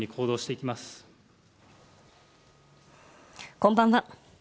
こんばんは。